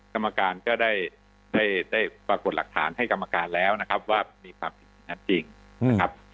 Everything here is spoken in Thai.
กรรมการก็ได้ได้ปรากฏหลักฐานให้กรรมการแล้วนะครับว่ามีความผิดนั้นจริงนะครับ